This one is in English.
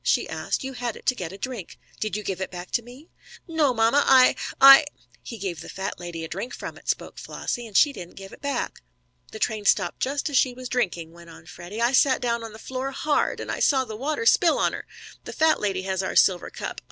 she asked. "You had it to get a drink. Did you give it back to me?" "No, mamma, I I" "He gave the fat lady a drink from it," spoke Flossie, "and she didn't give it back." "The train stopped just as she was drinking," went on Freddie. "I sat down on the floor hard, and I saw the water spill on her. The fat lady has our silver cup!